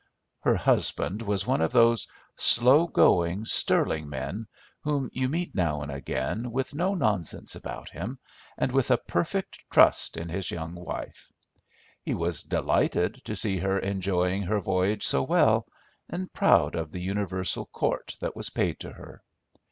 Her husband was one of those slow going, sterling men whom you meet now and again, with no nonsense about him, and with a perfect trust in his young wife. He was delighted to see her enjoying her voyage so well, and proud of the universal court that was paid to her.